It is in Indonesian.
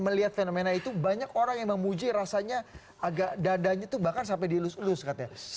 melihat fenomena itu banyak orang yang memuji rasanya agak dadanya tuh bahkan sampai dielus elus katanya